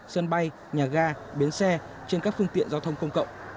sân bay nhà ga bến xe trên các phương tiện giao thông công cộng